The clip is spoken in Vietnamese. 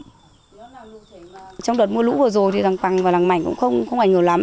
trong đợt mưa lũ vừa rồi thì đằng phẳng và đằng mảnh cũng không ảnh hưởng lắm